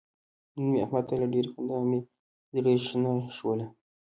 نن مې احمد ته له ډېرې خندا مې زره شنه شوله.